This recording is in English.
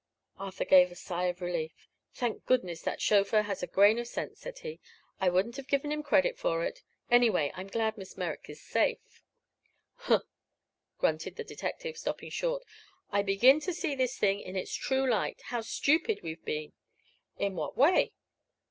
Arthur gave a sigh of relief. "Thank goodness that chauffeur had a grain of sense," said he. "I wouldn't have given him credit for it. Anyway, I'm glad Miss Merrick is safe." "Huh!" grunted the detective, stopping short. "I begin to see this thing in its true light. How stupid we've been!" "In what way?"